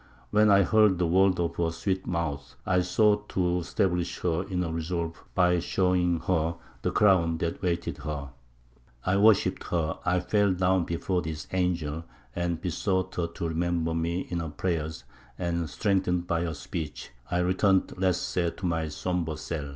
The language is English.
When I heard the words of her sweet mouth, I sought to stablish her in her resolve by showing her the crown that awaited her. I worshipped her; I fell down before this angel, and besought her to remember me in her prayers; and strengthened by her speech, I returned less sad to my sombre cell."